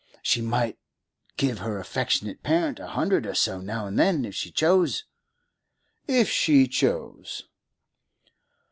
'She might give her affectionate parent a hundred or so now and then, if she chose?' 'If she chose.